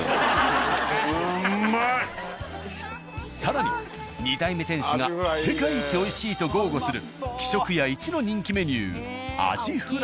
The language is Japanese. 更に２代目店主が世界一美味しいと豪語する「喜食家」イチの人気メニュー。